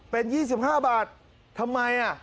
เป็น๒๕บาททำไม